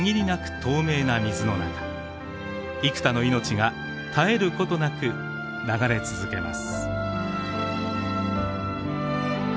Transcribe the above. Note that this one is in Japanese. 透明な水の中幾多の命が絶えることなく流れ続けます。